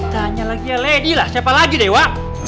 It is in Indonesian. tanya lagi ya lady lah siapa lagi dewa